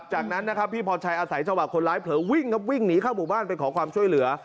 จากนั้นพี่พอร์ชัยอาศัยชาวบาลคนร้ายเผลอวิ่งหนีเข้าบุกบ้านไปขอความช่วยเหลือ